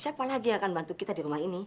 siapa lagi yang akan bantu kita di rumah ini